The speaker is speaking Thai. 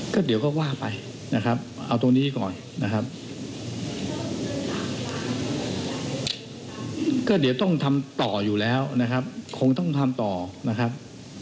ก็เดี๋ยวต้องทำต่ออยู่แล้วนะครับคงต้องทำต่อนะครับ